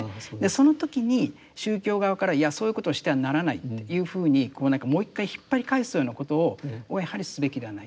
その時に宗教側からいやそういうことをしてはならないというふうにもう一回引っ張り返すようなことをやはりすべきではない。